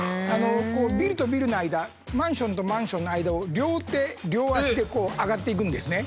ビルとビルの間マンションとマンションの間を両手両足でこう上がっていくんですね。